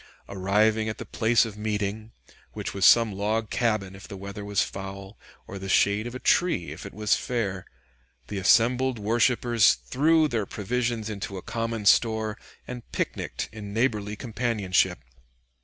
Arriving at the place of meeting, which was some log cabin if the weather was foul, or the shade of a tree if it was fair, the assembled worshipers threw their provisions into a common store and picnicked in neighborly companionship.